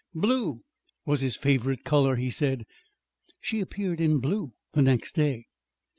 Blue was his favorite color, he said: she appeared in blue the next day.